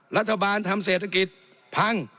รัฐบาลทำเศรษฐกิจพัง